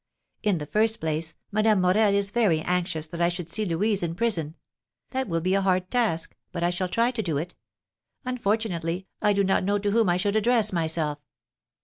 In the first place, Madame Morel is very anxious that I should see Louise in prison. That will be a hard task, but I shall try to do it. Unfortunately, I do not know to whom I should address myself."